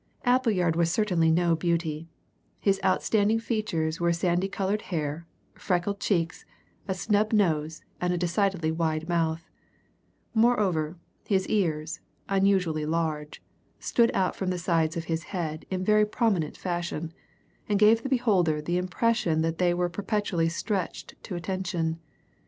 Appleyard was certainly no beauty; his outstanding features were sandy coloured hair, freckled cheeks, a snub nose, and a decidedly wide mouth; moreover, his ears, unusually large, stood out from the sides of his head in very prominent fashion, and gave a beholder the impression that they were perpetually stretched to attention.